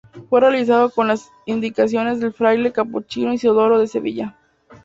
Fue realizado con las indicaciones del fraile capuchino Isidoro de Sevilla.